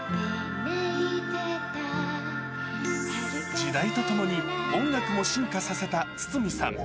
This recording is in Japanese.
時代とともに、音楽も進化させた筒美さん。